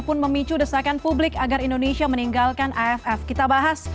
pak febri selamat malam